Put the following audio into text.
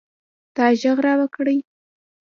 تا ږغ را وکړئ.